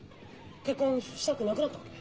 結婚したくなくなったわけ？